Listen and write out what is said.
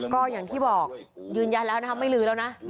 ก็อย่างที่บอกยืนยันแล้วนะคะไม่ลือแล้วนะ